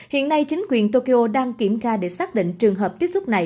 hiện nay chính quyền tokyo đang kiểm tra để xác định trường hợp tiếp xúc này